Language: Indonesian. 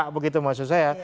begitu maksud saya